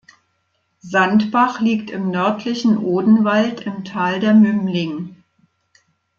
Sandbach liegt im nördlichen Odenwald im Tal der Mümling.